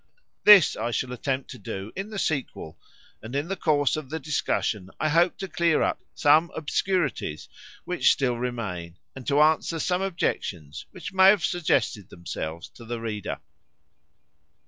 This I shall attempt to do in the sequel, and in the course of the discussion I hope to clear up some obscurities which still remain, and to answer some objections which may have suggested themselves to the reader.